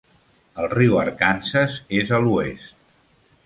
El riu Arkansas és a l'oest.